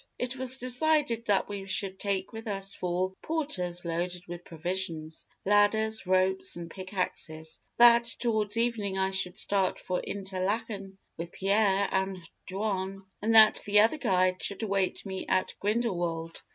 "It was decided that we should take with us four porters loaded with provisions, ladders, ropes, and pick axes; that towards evening I should start for Interlachen with Pierre and Jaun, and that the other guides should await me at Grindelwald.